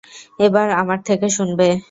এবার আমার থেকে শুনবে।